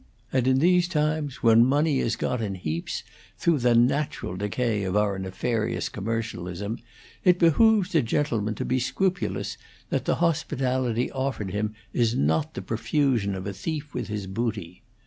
"And in these times, when money is got in heaps, through the natural decay of our nefarious commercialism, it behooves a gentleman to be scrupulous that the hospitality offered him is not the profusion of a thief with his booty.